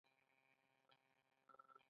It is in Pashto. قوم باید د ورورولۍ نوم وي.